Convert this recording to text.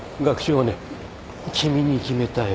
君に決めたよ。